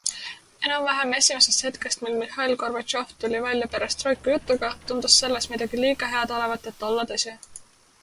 Enam-vähem esimesest hetkest, mil Mihhail Gorbatšov tuli välja perestroika jutuga, tundus selles midagi liiga head olevat, et olla tõsi.